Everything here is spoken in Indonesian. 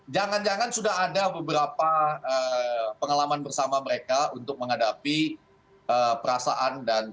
jangan jangan sudah ada beberapa pengalaman bersama mereka untuk menghadapi perasaan dan perasaan yang tidak terdapat